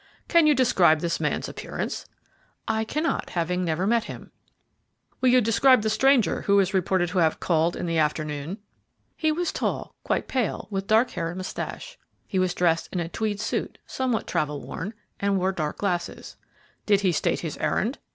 "Can you describe this man's appearance?" "I cannot, having never met him." "Will you describe the stranger who is reported to have called in the afternoon." "He was tall, quite pale, with dark hair and moustache. He was dressed in a tweed suit, somewhat travel worn, and wore dark glasses." "Did he state his errand?"